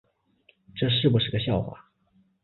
这是不是个笑话